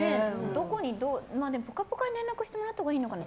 「ぽかぽか」に連絡してもらったほうがいいのかな。